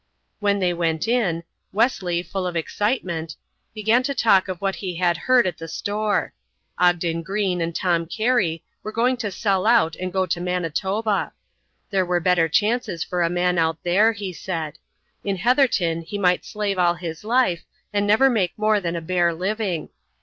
When they went in, Wesley, full of excitement, began to talk of what he had heard at the store. Ogden Greene and Tom Cary were going to sell out and go to Manitoba. There were better chances for a man out there, he said; in Heatherton he might slave all his life and never make more than a bare living.